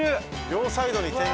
両サイドに天狗。